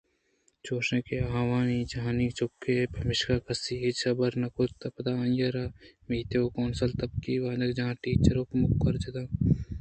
چوشں کہ آ واجہانی چک اَت پمشکا کس ءَ ہچ حبر نہ کُت پدا آئی ءَ را میتگ ءِ کونسل ءِتپاکی ءَ وانگجاہ ءَ ٹیچر ءِ کمکار ءِ جہت ءَ نوکری داتگ اَت